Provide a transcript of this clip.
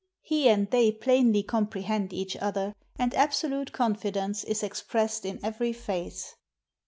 He and they plainly comprehend each other, and absolute confidence is expressed in every face."